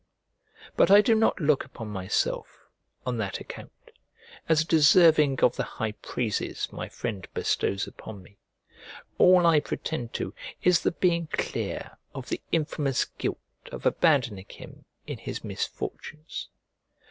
But I do not look upon myself, on that account, as deserving of the high praises my friend bestows upon me: all I pretend to is the being clear of the infamous guilt of abandoning him in his misfortunes.